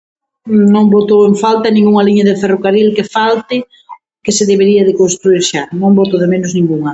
Non boto eu en falta ningunha liña de ferrocarril que falte, que se debería de construír xa. Non boto de menos ningunha.